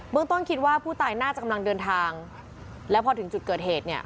เมืองต้นคิดว่าผู้ตายน่าจะกำลังเดินทางแล้วพอถึงจุดเกิดเหตุเนี่ย